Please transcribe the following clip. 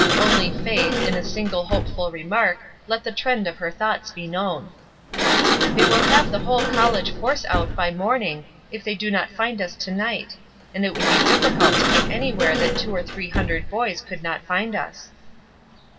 Only Faith, in a single hopeful remark, let the trend of her thoughts be known. "They will have the whole college force out by morning, if they do not find us to night; and it would be difficult to get anywhere A "CROSS" TRAIL 169 that two or three hundred boys could not find us."